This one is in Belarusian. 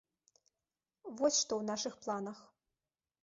Вось што ў нашых планах.